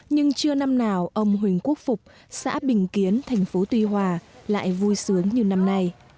nhưng chưa năm nào ông huỳnh quốc phục xã bình kiến thành phố tuy hòa lại vui sướng như năm nay